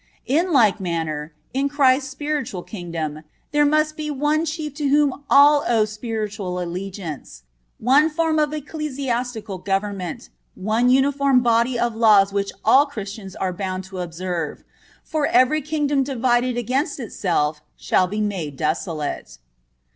In like manner, in Christ's spiritual kingdom, there must be one Chief to whom all owe spiritual allegiance; one form of ecclesiastical government; one uniform body of laws which all Christians are bound to observe; for, "every kingdom divided against itself shall be made desolate."